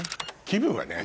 「気分はね」